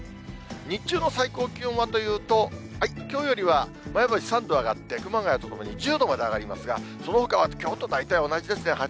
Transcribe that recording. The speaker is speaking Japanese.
日中の最高気温はというと、きょうよりはまえばし３度上がって熊谷も１０度上がりますが、そのほかはきょうと大体同じですね。